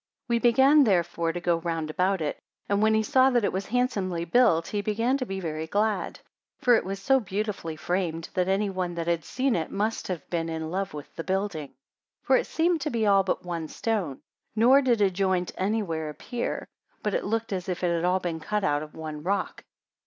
84 We began therefore to go round about it; and when he saw that it was handsomely built, he began to be very glad; for it was so beautifully framed, that any one that had seen it must have been in love with the building. 85 For it seemed to be all but one stone, nor did a joint any where appear; but it looked as if it had all been cut out of one rock.